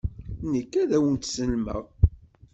Nekk, ad wen-t-sellmeɣ.